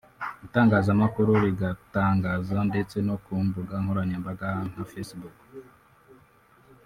itangazamakuru rigatangaza ndetse no ku mbuga nkoranyambaga nka Facebook